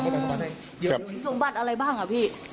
อ๋อสมบัติอะไรบ้างครับพี่